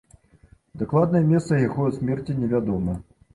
Дакладнае месца яго смерці невядома.